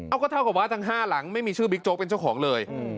เอาก็เท่ากับว่าทั้ง๕หลังไม่มีชื่อบิ๊กโจ๊กเป็นเจ้าของเลย